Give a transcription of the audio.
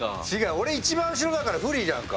俺一番後ろだから不利じゃんか。